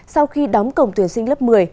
sau khi đóng cổng tuyển sinh lớp một mươi